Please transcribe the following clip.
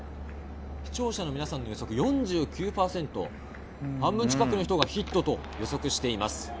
視聴者の皆さんの予測、４９％半分近くの人がヒットと予測しています。